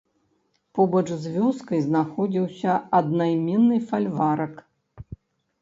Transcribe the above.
Побач з вёскай знаходзіўся аднайменны фальварак.